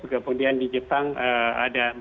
kemudian di jepang ada